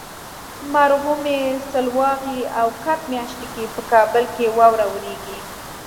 مرغومي ، سلواغې او کب میاشتو کې په کابل کې واوره وریږي.